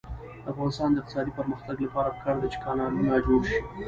د افغانستان د اقتصادي پرمختګ لپاره پکار ده چې کانالونه جوړ شي.